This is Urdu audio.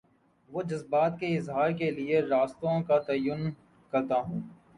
وہ جذبات کے اظہار کے لیے راستوں کا تعین کرتا ہے۔